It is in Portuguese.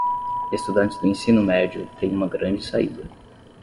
Estudantes do ensino médio têm uma grande saída